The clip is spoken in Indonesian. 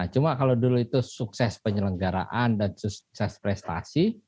cuma kalau dulu itu sukses penyelenggaraan dan sukses prestasi